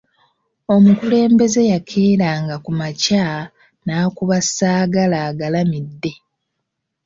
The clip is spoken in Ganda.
Omukulembeze yakeeranga ku makya n'akuba Saagalaagalamidde.